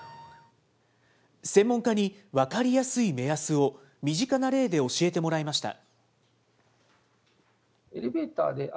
専門家に、分かりやすい目安を、身近な例で教えてもらいました。